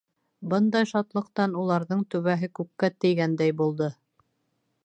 Бындай шатлыҡтан уларҙың түбәһе күккә тейгәндәй булды.